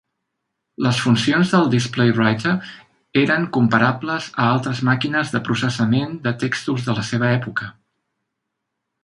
Les funcions del Displaywriter eren comparables a altres màquines de processament de textos de la seva època.